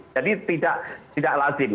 jadi tidak lazim